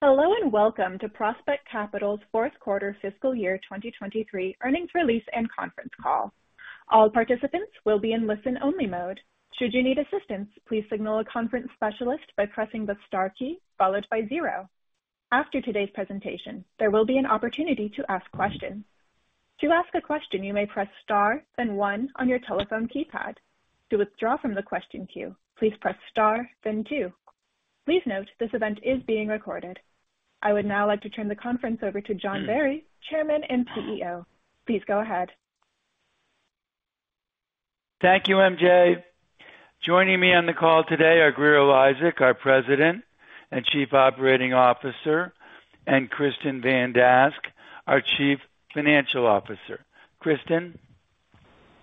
Hello, and welcome to Prospect Capital's fourth quarter fiscal year 2023 earnings release and conference call. All participants will be in listen-only mode. Should you need assistance, please signal a conference specialist by pressing the star key followed by 0. After today's presentation, there will be an opportunity to ask questions. To ask a question, you may press Star then 1 on your telephone keypad. To withdraw from the question queue, please press Star then 2. Please note, this event is being recorded. I would now like to turn the conference over to John Barry, Chairman and CEO. Please go ahead. Thank you, MJ. Joining me on the call today are Grier Eliasek, our President and Chief Operating Officer, and Kristin Van Dask, our Chief Financial Officer. Kristin?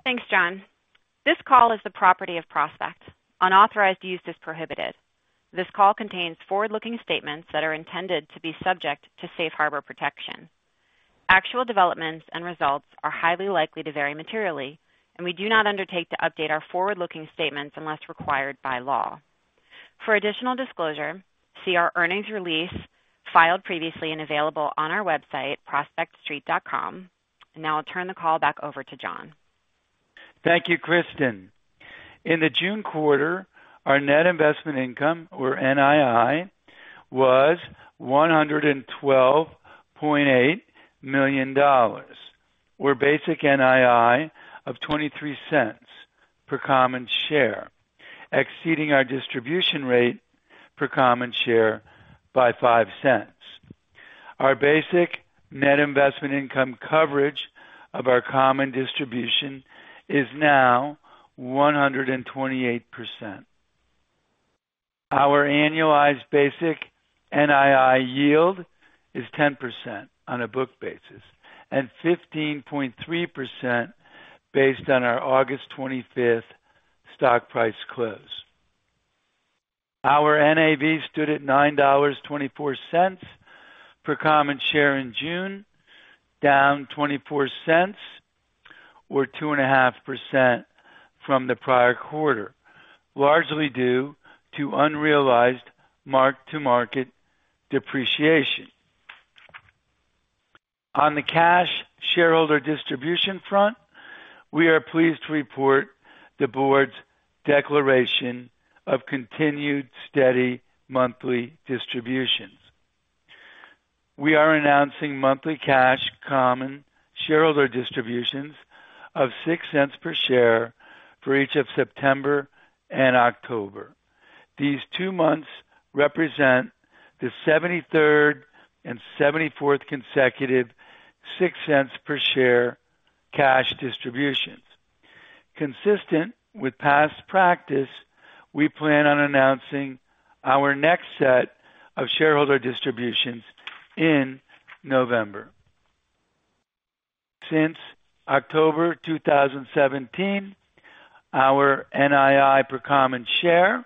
Thanks, John. This call is the property of Prospect. Unauthorized use is prohibited. This call contains forward-looking statements that are intended to be subject to safe harbor protection. Actual developments and results are highly likely to vary materially, and we do not undertake to update our forward-looking statements unless required by law. For additional disclosure, see our earnings release filed previously and available on our website, prospectstreet.com. Now I'll turn the call back over to John. Thank you, Kristin. In the June quarter, our net investment income, or NII, was $112.8 million, where basic NII of $0.23 per common share, exceeding our distribution rate per common share by $0.05. Our basic net investment income coverage of our common distribution is now 128%. Our annualized basic NII yield is 10% on a book basis and 15.3% based on our August 25th stock price close. Our NAV stood at $9.24 per common share in June, down 24 cents, or 2.5% from the prior quarter, largely due to unrealized mark-to-market depreciation. On the cash shareholder distribution front, we are pleased to report the board's declaration of continued steady monthly distributions. We are announcing monthly cash common shareholder distributions of $0.06 per share for each of September and October. These two months represent the 73rd and 74th consecutive $0.06 per share cash distributions. Consistent with past practice, we plan on announcing our next set of shareholder distributions in November. Since October 2017, our NII per common share,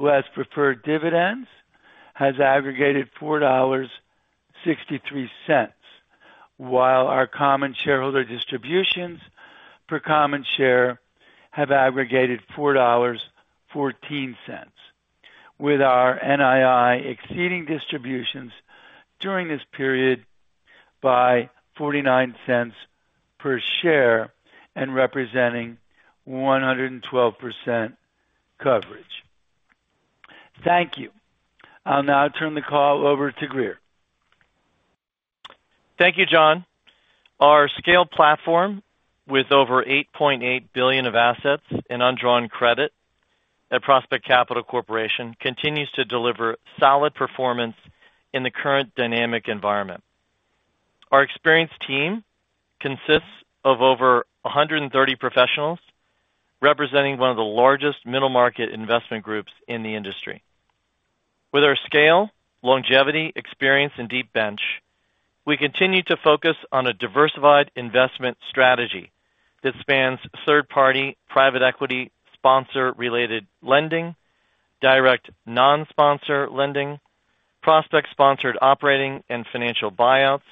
less preferred dividends, has aggregated $4.63, while our common shareholder distributions per common share have aggregated $4.14, with our NII exceeding distributions during this period by $0.49 per share and representing 112% coverage. Thank you. I'll now turn the call over to Grier. Thank you, John. Our scale platform with over $8.8 billion of assets in undrawn credit at Prospect Capital Corporation continues to deliver solid performance in the current dynamic environment. Our experienced team consists of over 130 professionals, representing one of the largest middle-market investment groups in the industry. With our scale, longevity, experience, and deep bench, we continue to focus on a diversified investment strategy that spans third-party private equity, sponsor-related lending, direct non-sponsor lending, prospect-sponsored operating and financial buyouts,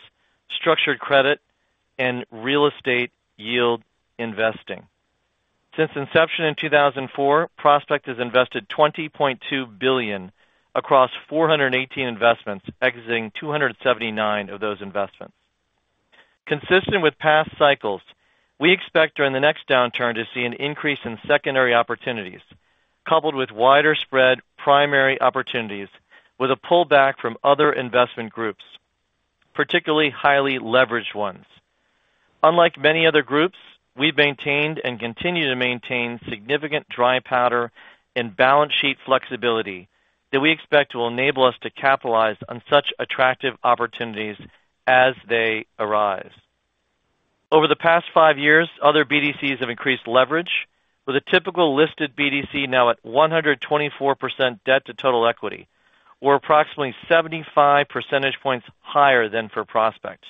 structured credit, and real estate yield investing. Since inception in 2004, Prospect has invested $20.2 billion across 418 investments, exiting 279 of those investments. Consistent with past cycles, we expect during the next downturn to see an increase in secondary opportunities, coupled with wider spread primary opportunities, with a pullback from other investment groups, particularly highly leveraged ones. Unlike many other groups, we've maintained and continue to maintain significant dry powder and balance sheet flexibility that we expect will enable us to capitalize on such attractive opportunities as they arise. Over the past 5 years, other BDCs have increased leverage, with a typical listed BDC now at 124% debt to total equity, or approximately 75 percentage points higher than for Prospect.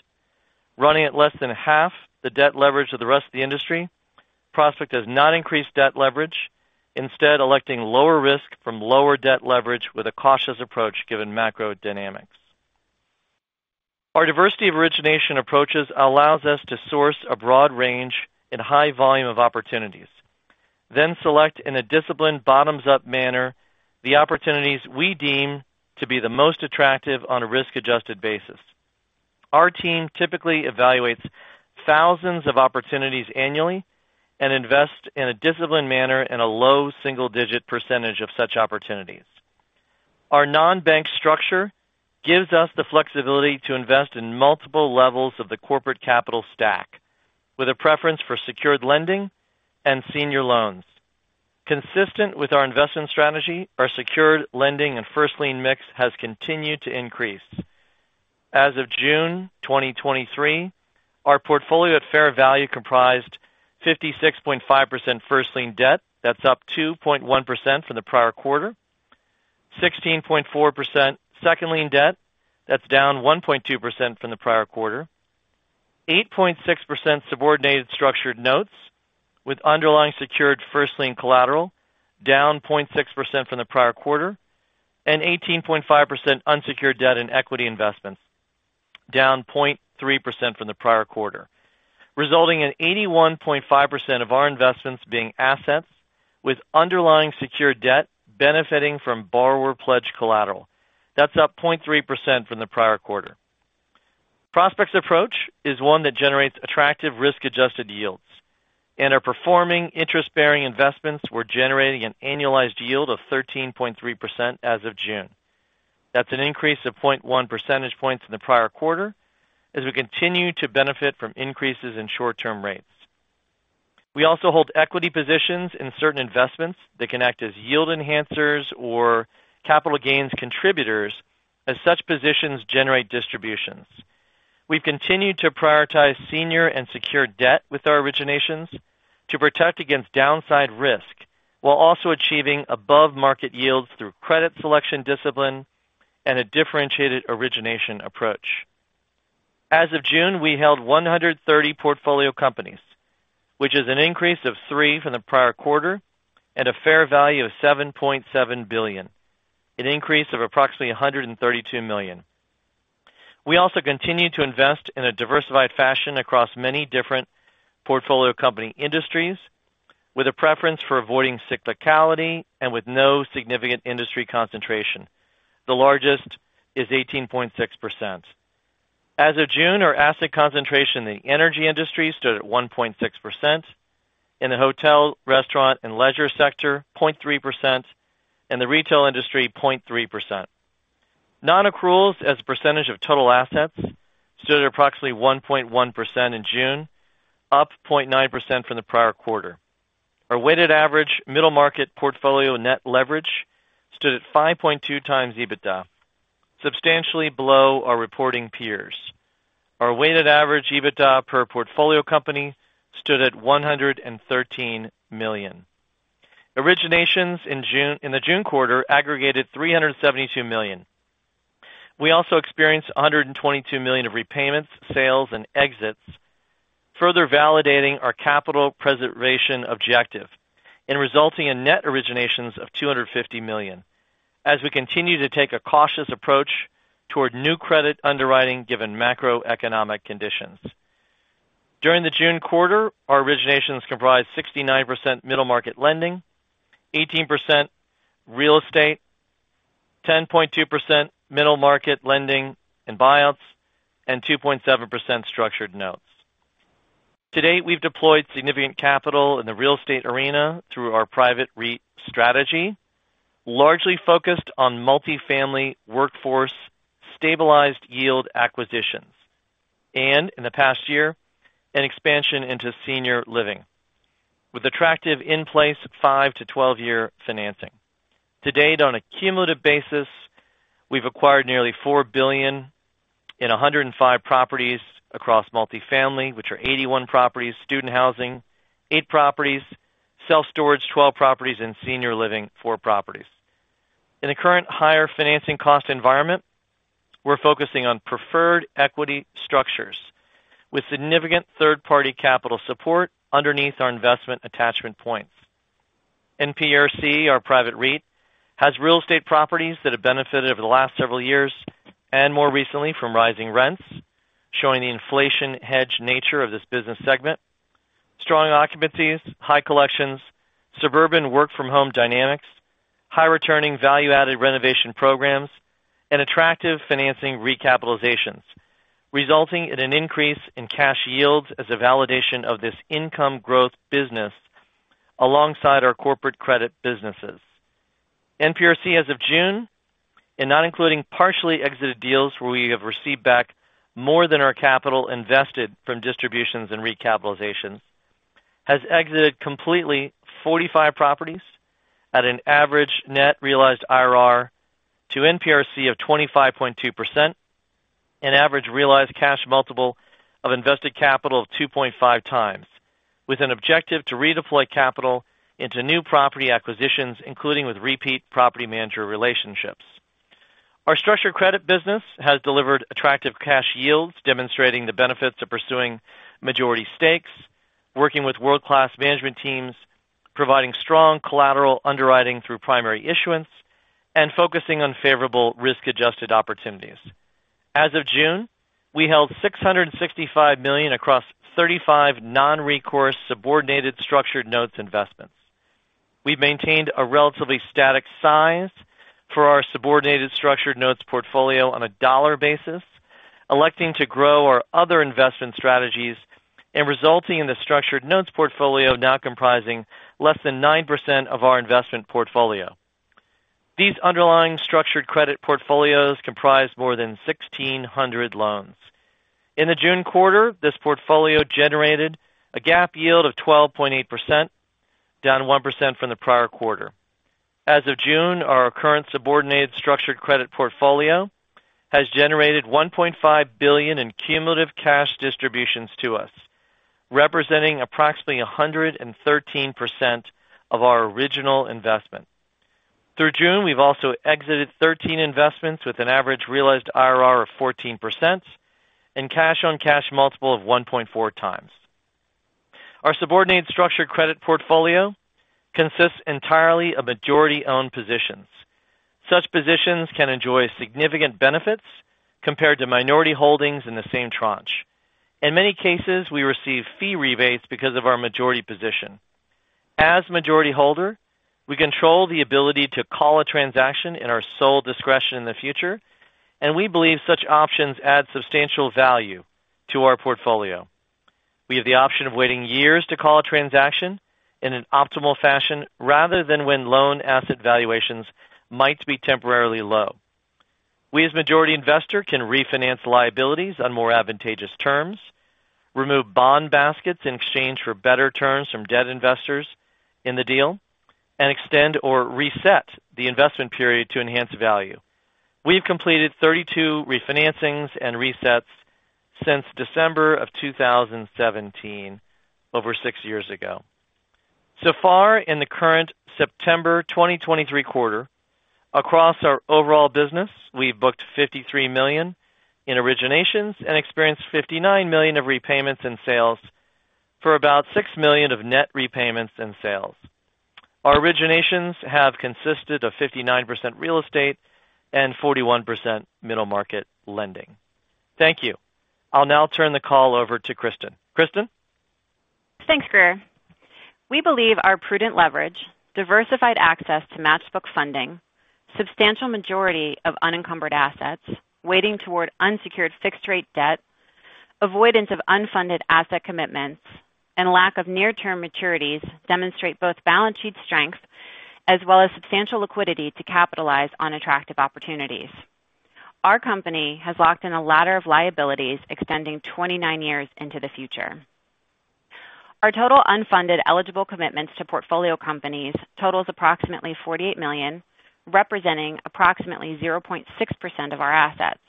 Running at less than half the debt leverage of the rest of the industry, Prospect has not increased debt leverage, instead electing lower risk from lower debt leverage with a cautious approach, given macro dynamics. Our diversity of origination approaches allows us to source a broad range and high volume of opportunities, then select in a disciplined bottoms-up manner, the opportunities we deem to be the most attractive on a risk-adjusted basis. Our team typically evaluates thousands of opportunities annually and invest in a disciplined manner in a low single-digit % of such opportunities. Our non-bank structure gives us the flexibility to invest in multiple levels of the corporate capital stack, with a preference for secured lending and senior loans. Consistent with our investment strategy, our secured lending and first lien mix has continued to increase. As of June 2023, our portfolio at fair value comprised 56.5% first lien debt. That's up 2.1% from the prior quarter. 16.4% second lien debt, that's down 1.2% from the prior quarter. 8.6% subordinated structured notes with underlying secured first lien collateral, down 0.6% from the prior quarter, and 18.5% unsecured debt and equity investments, down 0.3% from the prior quarter, resulting in 81.5% of our investments being assets with underlying secured debt benefiting from borrower pledge collateral. That's up 0.3% from the prior quarter. Prospect's approach is one that generates attractive risk-adjusted yields, and our performing interest-bearing investments were generating an annualized yield of 13.3% as of June. That's an increase of 0.1 percentage points in the prior quarter as we continue to benefit from increases in short-term rates. We also hold equity positions in certain investments that can act as yield enhancers or capital gains contributors as such positions generate distributions. We've continued to prioritize senior and secured debt with our originations to protect against downside risk, while also achieving above-market yields through credit selection discipline and a differentiated origination approach. As of June, we held 130 portfolio companies, which is an increase of 3 from the prior quarter at a fair value of $7.7 billion, an increase of approximately $132 million. We also continue to invest in a diversified fashion across many different portfolio company industries, with a preference for avoiding cyclicality and with no significant industry concentration. The largest is 18.6%. As of June, our asset concentration in the energy industry stood at 1.6%. In the hotel, restaurant, and leisure sector, 0.3%, and the retail industry, 0.3%. Non-accruals, as a percentage of total assets, stood at approximately 1.1% in June, up 0.9% from the prior quarter. Our weighted average middle market portfolio net leverage stood at 5.2x EBITDA, substantially below our reporting peers. Our weighted average EBITDA per portfolio company stood at $113 million. Originations in the June quarter aggregated $372 million. We also experienced $122 million of repayments, sales, and exits, further validating our capital preservation objective and resulting in net originations of $250 million as we continue to take a cautious approach toward new credit underwriting given macroeconomic conditions. During the June quarter, our originations comprised 69% middle market lending, 18% real estate, 10.2% middle market lending and buyouts, and 2.7% structured notes. To date, we've deployed significant capital in the real estate arena through our private REIT strategy, largely focused on multifamily workforce, stabilized yield acquisitions, and in the past year, an expansion into senior living with attractive in-place 5- to 12-year financing. To date, on a cumulative basis, we've acquired nearly $4 billion in 105 properties across multifamily, which are 81 properties, student housing, 8 properties, self-storage, 12 properties, and senior living, 4 properties. In the current higher financing cost environment, we're focusing on preferred equity structures with significant third-party capital support underneath our investment attachment points. NPRC, our private REIT, has real estate properties that have benefited over the last several years and more recently from rising rents, showing the inflation-hedged nature of this business segment. Strong occupancies, high collections, suburban work-from-home dynamics, high returning value-added renovation programs, and attractive financing recapitalizations, resulting in an increase in cash yields as a validation of this income growth business alongside our corporate credit businesses. NPRC, as of June, and not including partially exited deals where we have received back more than our capital invested from distributions and recapitalizations, has exited completely 45 properties at an average net realized IRR to NPRC of 25.2% and average realized cash multiple of invested capital of 2.5x, with an objective to redeploy capital into new property acquisitions, including with repeat property manager relationships. Our structured credit business has delivered attractive cash yields, demonstrating the benefits of pursuing majority stakes, working with world-class management teams, providing strong collateral underwriting through primary issuance, and focusing on favorable risk-adjusted opportunities. As of June, we held $665 million across 35 non-recourse subordinated structured notes investments. We've maintained a relatively static size for our subordinated structured notes portfolio on a dollar basis, electing to grow our other investment strategies and resulting in the structured notes portfolio now comprising less than 9% of our investment portfolio. These underlying structured credit portfolios comprise more than 1,600 loans. In the June quarter, this portfolio generated a GAAP yield of 12.8%, down 1% from the prior quarter. As of June, our current subordinated structured credit portfolio has generated $1.5 billion in cumulative cash distributions to us, representing approximately 113% of our original investment. Through June, we've also exited 13 investments with an average realized IRR of 14% and cash-on-cash multiple of 1.4x. Our subordinated structured credit portfolio consists entirely of majority-owned positions. Such positions can enjoy significant benefits compared to minority holdings in the same tranche. In many cases, we receive fee rebates because of our majority position. As majority holder, we control the ability to call a transaction in our sole discretion in the future, and we believe such options add substantial value to our portfolio. We have the option of waiting years to call a transaction in an optimal fashion rather than when loan asset valuations might be temporarily low. We, as majority investor, can refinance liabilities on more advantageous terms, remove bond baskets in exchange for better terms from debt investors in the deal, and extend or reset the investment period to enhance value. We've completed 32 refinancings and resets since December 2017, over six years ago. So far in the current September 2023 quarter, across our overall business, we've booked $53 million in originations and experienced $59 million of repayments in sales for about $6 million of net repayments in sales. Our originations have consisted of 59% real estate and 41% middle market lending. Thank you. I'll now turn the call over to Kristin. Kristin? Thanks, Grier. We believe our prudent leverage, diversified access to match book funding, substantial majority of unencumbered assets, weighting toward unsecured fixed-rate debt, avoidance of unfunded asset commitments, and lack of near-term maturities demonstrate both balance sheet strength as well as substantial liquidity to capitalize on attractive opportunities. Our company has locked in a ladder of liabilities extending 29 years into the future. Our total unfunded eligible commitments to portfolio companies totals approximately $48 million, representing approximately 0.6% of our assets.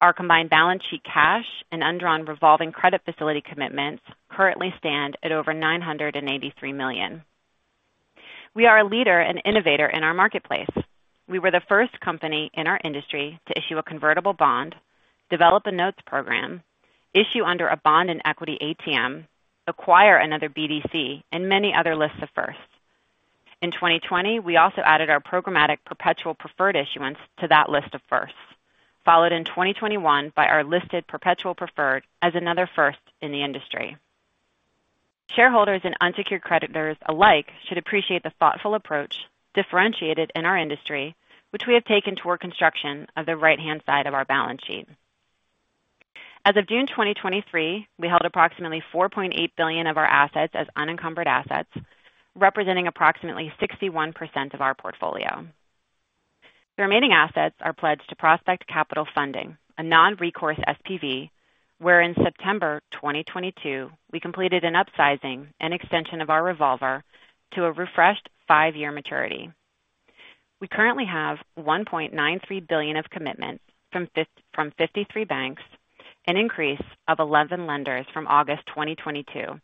Our combined balance sheet cash and undrawn revolving credit facility commitments currently stand at over $983 million. We are a leader and innovator in our marketplace. We were the first company in our industry to issue a convertible bond, develop a notes program, issue under a bond and equity ATM, acquire another BDC, and many other lists of firsts. In 2020, we also added our programmatic perpetual preferred issuance to that list of firsts, followed in 2021 by our listed perpetual preferred as another first in the industry. Shareholders and unsecured creditors alike should appreciate the thoughtful approach differentiated in our industry, which we have taken toward construction of the right-hand side of our balance sheet. As of June 2023, we held approximately $4.8 billion of our assets as unencumbered assets, representing approximately 61% of our portfolio. The remaining assets are pledged to Prospect Capital Funding, a non-recourse SPV, where in September 2022, we completed an upsizing and extension of our revolver to a refreshed 5-year maturity. We currently have $1.93 billion of commitments from 53 banks, an increase of 11 lenders from August 2022,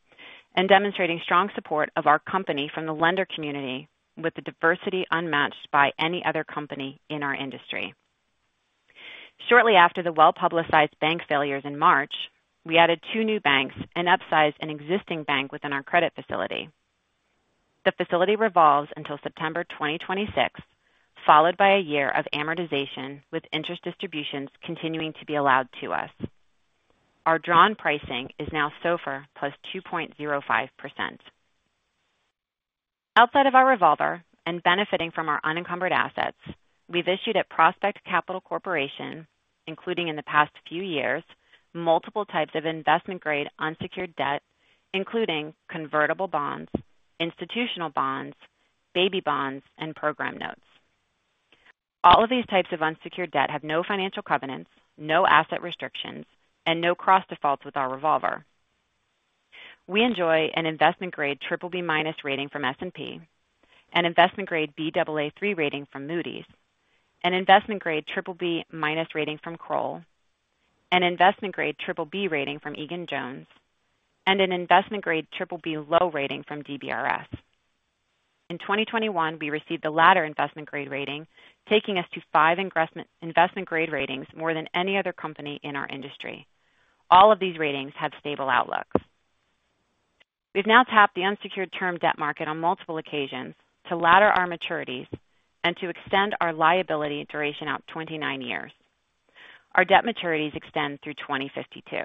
and demonstrating strong support of our company from the lender community, with the diversity unmatched by any other company in our industry. Shortly after the well-publicized bank failures in March, we added 2 new banks and upsized an existing bank within our credit facility. The facility revolves until September 2026, followed by a year of amortization, with interest distributions continuing to be allowed to us. Our drawn pricing is now SOFR + 2.05%. Outside of our revolver and benefiting from our unencumbered assets, we've issued a Prospect Capital Corporation, including in the past few years, multiple types of investment-grade unsecured debt, including convertible bonds, institutional bonds, baby bonds, and program notes. All of these types of unsecured debt have no financial covenants, no asset restrictions, and no cross defaults with our revolver. We enjoy an investment-grade BBB minus rating from S&P, an investment-grade Baa3 rating from Moody's, an investment-grade BBB minus rating from Kroll, an investment-grade BBB rating from Egan-Jones, and an investment-grade BBB low rating from DBRS. In 2021, we received the latter investment grade rating, taking us to five investment grade ratings, more than any other company in our industry. All of these ratings have stable outlooks. We've now tapped the unsecured term debt market on multiple occasions to ladder our maturities and to extend our liability duration out 29 years. Our debt maturities extend through 2052.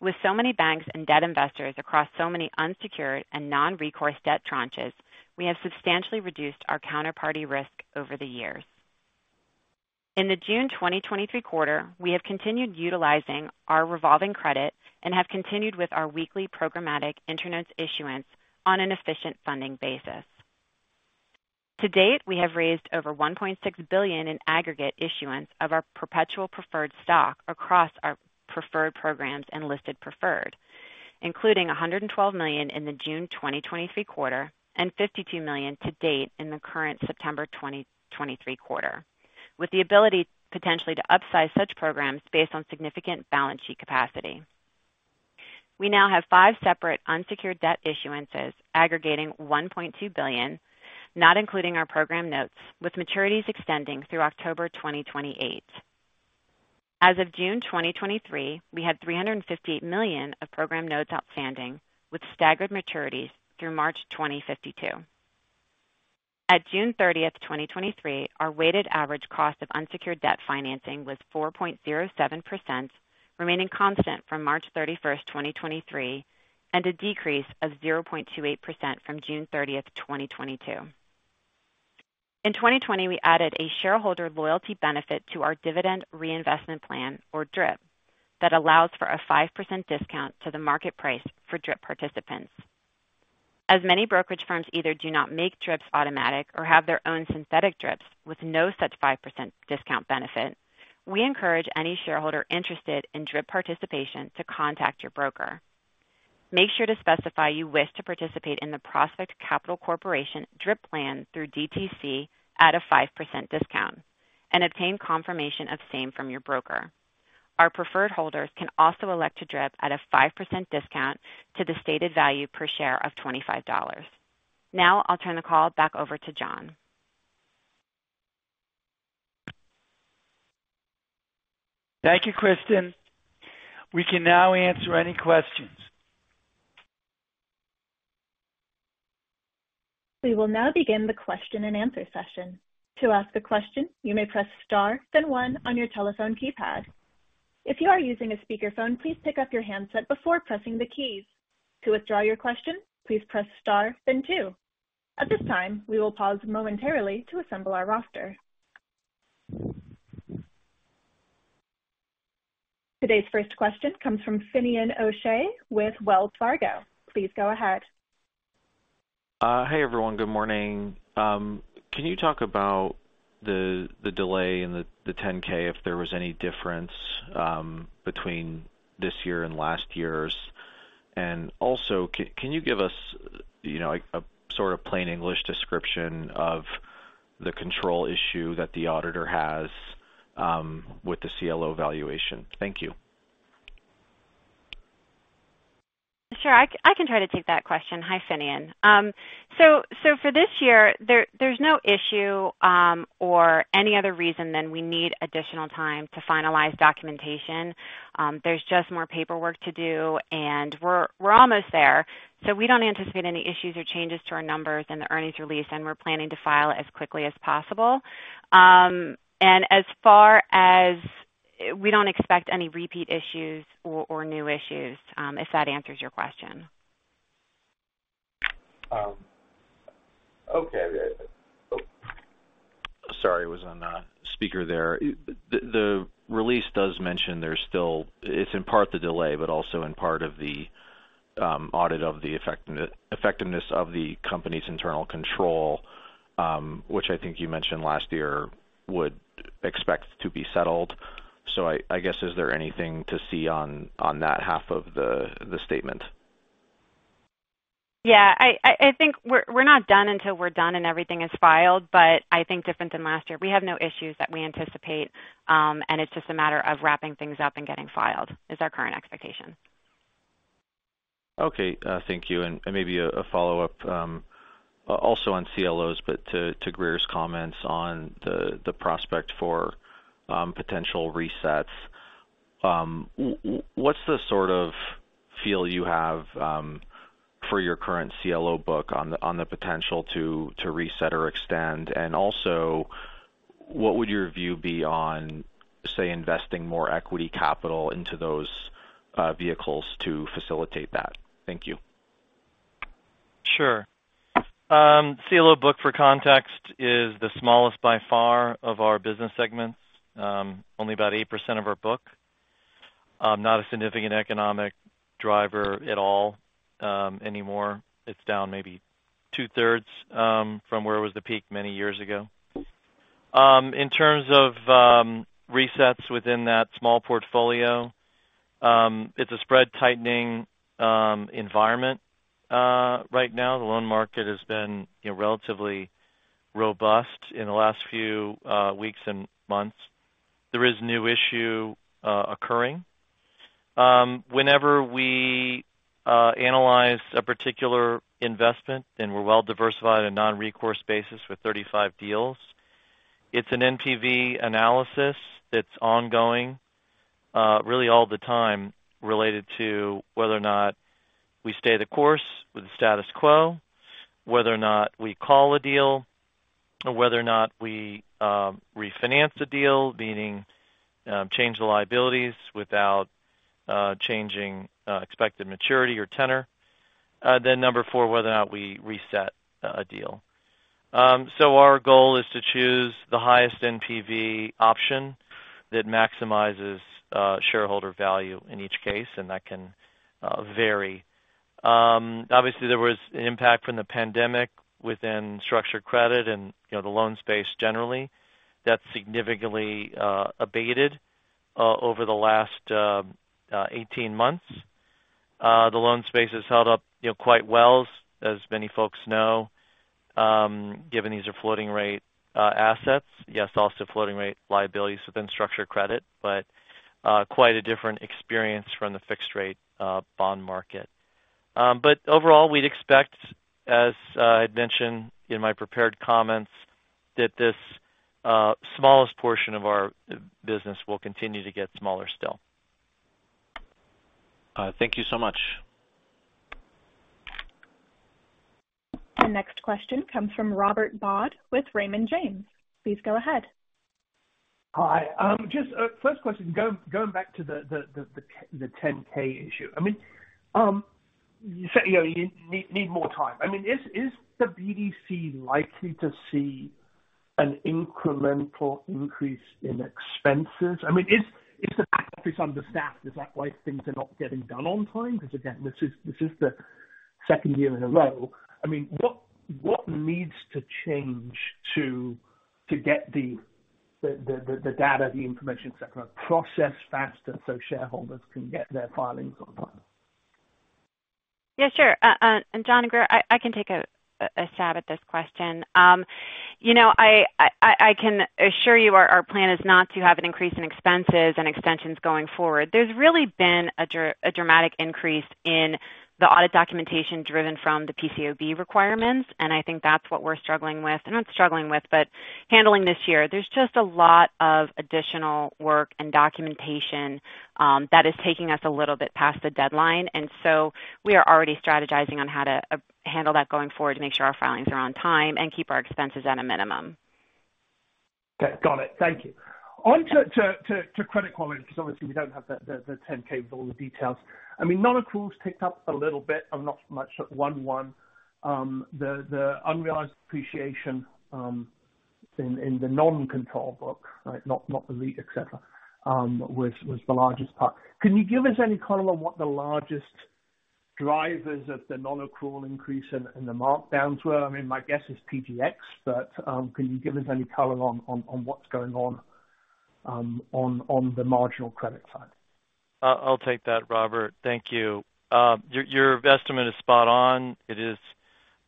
With so many banks and debt investors across so many unsecured and non-recourse debt tranches, we have substantially reduced our counterparty risk over the years. In the June 2023 quarter, we have continued utilizing our revolving credit and have continued with our weekly programmatic notes issuance on an efficient funding basis. To date, we have raised over $1.6 billion in aggregate issuance of our perpetual preferred stock across our preferred programs and listed preferred, including $112 million in the June 2023 quarter and $52 million to date in the current September 2023 quarter, with the ability potentially to upsize such programs based on significant balance sheet capacity. We now have five separate unsecured debt issuances aggregating $1.2 billion, not including our program notes, with maturities extending through October 2028. As of June 2023, we had $358 million of program notes outstanding, with staggered maturities through March 2052. At June 30, 2023, our weighted average cost of unsecured debt financing was 4.07%, remaining constant from March 31, 2023, and a decrease of 0.28% from June 30, 2022. In 2020, we added a shareholder loyalty benefit to our dividend reinvestment plan, or DRIP, that allows for a 5% discount to the market price for DRIP participants. As many brokerage firms either do not make DRIPs automatic or have their own synthetic DRIPs with no such 5% discount benefit, we encourage any shareholder interested in DRIP participation to contact your broker. Make sure to specify you wish to participate in the Prospect Capital Corporation DRIP plan through DTC at a 5% discount and obtain confirmation of same from your broker. Our preferred holders can also elect to DRIP at a 5% discount to the stated value per share of $25. Now I'll turn the call back over to John. Thank you, Kristin. We can now answer any questions. We will now begin the question and answer session. To ask a question, you may press Star, then one on your telephone keypad. If you are using a speakerphone, please pick up your handset before pressing the keys. To withdraw your question, please press Star, then two. At this time, we will pause momentarily to assemble our roster. Today's first question comes from Finian O'Shea with Wells Fargo. Please go ahead. Hey, everyone. Good morning. Can you talk about the delay in the 10-K, if there was any difference between this year and last year's? And also, can you give us, you know, a sort of plain English description of the control issue that the auditor has with the CLO valuation? Thank you. Sure, I can try to take that question. Hi, Finian. So for this year, there's no issue or any other reason than we need additional time to finalize documentation. There's just more paperwork to do, and we're almost there. So we don't anticipate any issues or changes to our numbers in the earnings release, and we're planning to file as quickly as possible. And as far as... We don't expect any repeat issues or new issues, if that answers your question. Okay. Sorry, was on the speaker there. The release does mention there's still—it's in part the delay, but also in part of the audit of the effectiveness of the company's internal control, which I think you mentioned last year would expect to be settled. So I guess, is there anything to see on that half of the statement? Yeah, I think we're not done until we're done and everything is filed, but I think different than last year, we have no issues that we anticipate, and it's just a matter of wrapping things up and getting filed, is our current expectation. Okay, thank you. Maybe a follow-up also on CLOs, but to Grier's comments on the prospect for potential resets. What's the sort of feel you have for your current CLO book on the potential to reset or extend? And also, what would your view be on, say, investing more equity capital into those vehicles to facilitate that? Thank you. Sure. CLO book, for context, is the smallest by far of our business segments. Only about 8% of our book. Not a significant economic driver at all, anymore. It's down maybe two-thirds from where it was the peak many years ago. In terms of resets within that small portfolio, it's a spread tightening environment. Right now, the loan market has been, you know, relatively robust in the last few weeks and months. There is new issue occurring. Whenever we analyze a particular investment, and we're well diversified on a non-recourse basis with 35 deals, it's an NPV analysis that's ongoing, really all the time, related to whether or not we stay the course with the status quo, whether or not we call a deal, or whether or not we refinance the deal, meaning change the liabilities without changing expected maturity or tenor. Then number 4, whether or not we reset a deal. So our goal is to choose the highest NPV option that maximizes shareholder value in each case, and that can vary. Obviously, there was an impact from the pandemic within structured credit and, you know, the loan space generally. That significantly abated over the last 18 months. The loan space has held up, you know, quite well, as many folks know, given these are floating rate assets. Yes, also floating rate liabilities within structured credit, but quite a different experience from the fixed rate bond market. But overall, we'd expect, as I'd mentioned in my prepared comments, that this smallest portion of our business will continue to get smaller still. Thank you so much. Our next question comes from Robert Dodd with Raymond James. Please go ahead. Hi. Just, first question, going back to the 10-K issue. I mean, you said, you know, you need more time. I mean, is the BDC likely to see an incremental increase in expenses? I mean, is the back office understaffed? Is that why things are not getting done on time? Because, again, this is the second year in a row. I mean, what needs to change to get the data, the information, et cetera, processed faster so shareholders can get their filings on time? Yeah, sure. And John and Grier, I can take a stab at this question. You know, I can assure you our plan is not to have an increase in expenses and extensions going forward. There's really been a dramatic increase in the audit documentation driven from the PCAOB requirements, and I think that's what we're struggling with. Not struggling with, but handling this year. There's just a lot of additional work and documentation that is taking us a little bit past the deadline, and so we are already strategizing on how to handle that going forward to make sure our filings are on time and keep our expenses at a minimum. Okay, got it. Thank you. On to credit quality, because obviously we don't have the 10-K with all the details. I mean, non-accruals ticked up a little bit and not much at 1.1. The unrealized appreciation in the non-control book, right? Not the lead, et cetera, was the largest part. Can you give us any color on what the largest drivers of the non-accrual increase in the markdowns were? I mean, my guess is PGX, but can you give us any color on what's going on on the marginal credit side? I'll take that, Robert. Thank you. Your estimate is spot on. It is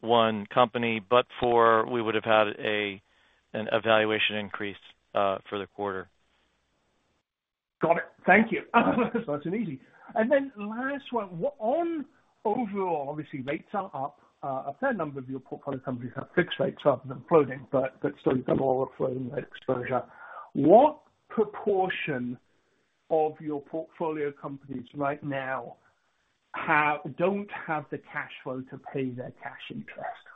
one company, but for we would have had an valuation increase for the quarter. Got it. Thank you. Nice and easy. And then last one: on overall, obviously, rates are up. A fair number of your portfolio companies have fixed rates rather than floating, but still, you've got more floating rate exposure. What proportion of your portfolio companies right now have don't have the cash flow to pay their cash interest?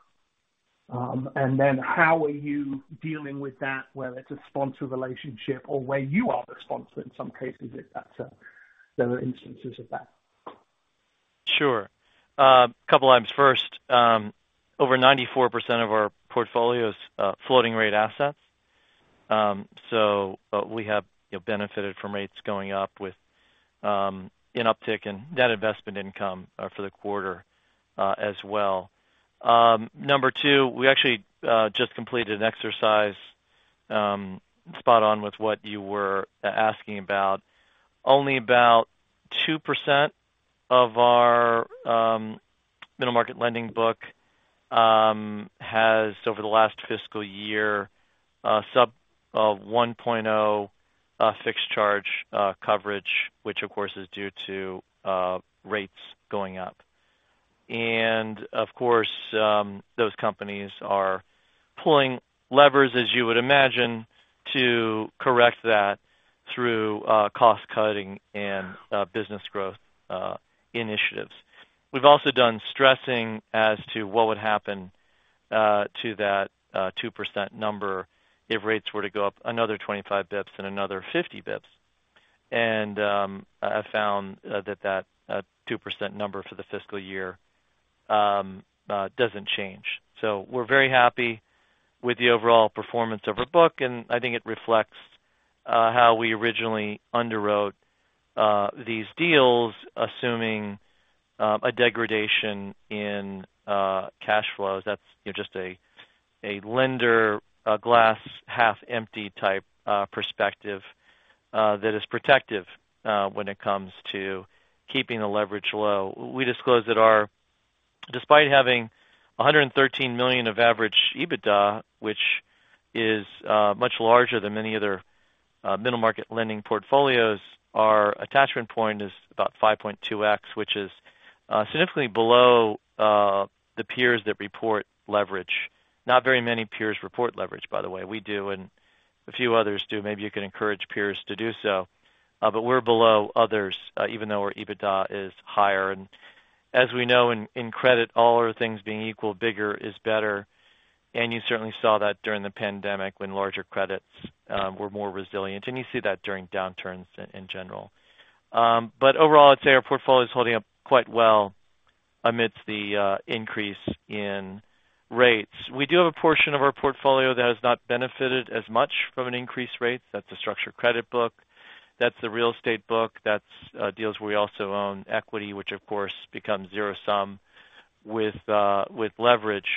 And then how are you dealing with that, whether it's a sponsor relationship or where you are the sponsor, in some cases, if that's there are instances of that. Sure. A couple items. First, over 94% of our portfolio is floating rate assets. So, we have benefited from rates going up with an uptick in net investment income for the quarter as well. Number two, we actually just completed an exercise spot on with what you were asking about. Only about 2% of our middle market lending book has, over the last fiscal year, sub of 1.0 fixed charge coverage, which, of course, is due to rates going up. And of course, those companies are pulling levers, as you would imagine, to correct that through cost-cutting and business growth initiatives. We've also done stressing as to what would happen to that 2% number if rates were to go up another 25 basis points and another 50 basis points. I found that 2% number for the fiscal year doesn't change. So we're very happy with the overall performance of our book, and I think it reflects how we originally underwrote these deals, assuming a degradation in cash flows. That's, you know, just a lender, a glass half empty type perspective that is protective when it comes to keeping the leverage low. We disclosed that our...... Despite having $113 million of average EBITDA, which is much larger than many other middle-market lending portfolios, our attachment point is about 5.2x, which is significantly below the peers that report leverage. Not very many peers report leverage, by the way. We do, and a few others do. Maybe you can encourage peers to do so, but we're below others even though our EBITDA is higher. And as we know in credit, all other things being equal, bigger is better. And you certainly saw that during the pandemic when larger credits were more resilient, and you see that during downturns in general. But overall, I'd say our portfolio is holding up quite well amidst the increase in rates. We do have a portion of our portfolio that has not benefited as much from an increased rate. That's a structured credit book. That's the real estate book. That's deals where we also own equity, which of course, becomes zero-sum with leverage.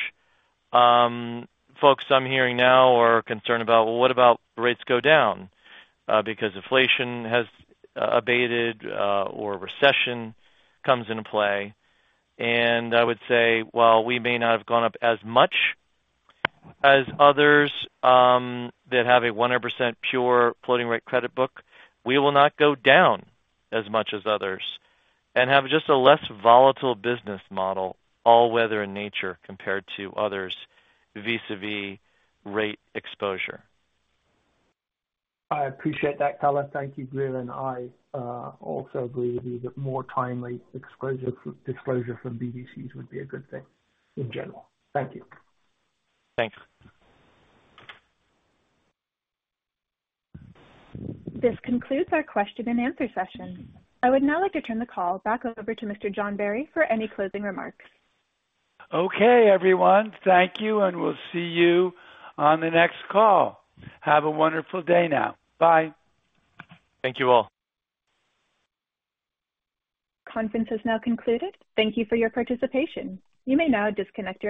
Folks I'm hearing now are concerned about, well, what about rates go down, because inflation has abated, or recession comes into play. And I would say, while we may not have gone up as much as others that have a 100% pure floating rate credit book, we will not go down as much as others and have just a less volatile business model, all weather and nature, compared to others vis-a-vis rate exposure. I appreciate that, color. Thank you, Grier. I also agree with you that more timely disclosure from BDCs would be a good thing in general. Thank you. Thanks. This concludes our question and answer session. I would now like to turn the call back over to Mr. John Barry for any closing remarks. Okay, everyone, thank you, and we'll see you on the next call. Have a wonderful day now. Bye. Thank you, all. Conference is now concluded. Thank you for your participation. You may now disconnect your lines.